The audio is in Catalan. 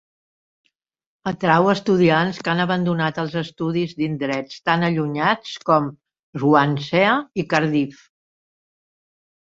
Atrau estudiants que han abandonat els estudis d"indrets tan allunyats com Swansea i Cardiff.